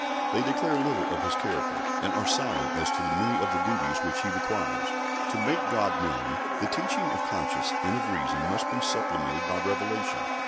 They declare little of His character, and are silent as to many of the duties which He requires. To make God known, the teaching of conscience and of reason must be supplemented by revelation.